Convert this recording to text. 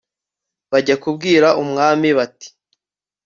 bajya kubwira umwami bati